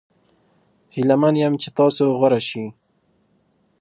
هیله من یم چې تاسو غوره شي.